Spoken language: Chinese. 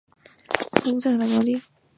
分布在台湾高山草地。